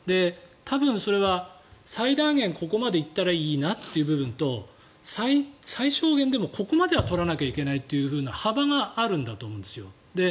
多分それは最大限ここまで行ったらいいなという部分と最小限でもここまでは取らなきゃいけないというような幅があるんだと思うんですよ。